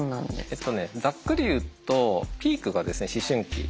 ざっくり言うとピークが思春期。